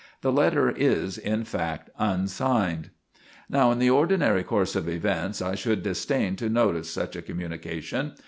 The letter is, in fact, unsigned. "Now, in the ordinary course of events, I should disdain to notice such a communication.